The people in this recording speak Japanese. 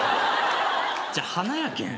じゃあ花やけん。